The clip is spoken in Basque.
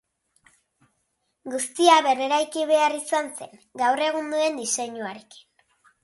Guztia berreraiki behar izan zen, gaur egun duen diseinuarekin.